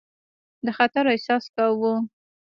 د خطر احساس کاوه.